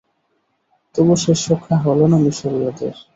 তবু শেষরক্ষা হলো না মিসরীয়দের।